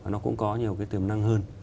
nó cũng có nhiều tiềm năng hơn